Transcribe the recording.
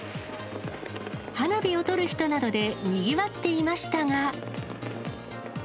花火を撮る人などでにぎわっていましたが。